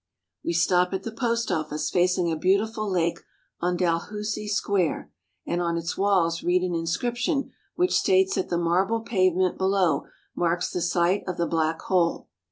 We stop at the Post Office facing a beautiful lake on Dalhousie Square, and on its walls read an inscription which states that the marble pavement below marks the site of the Black Hole.